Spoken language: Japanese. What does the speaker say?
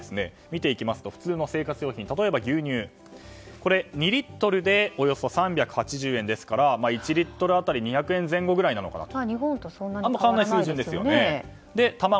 見ていきますと普通の生活用品、牛乳２リットルで３８０円なので１リットル当たり２００円前後くらいなのかなと。